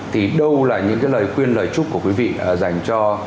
thì đâu là những cái lời khuyên lời chúc của quý vị dành cho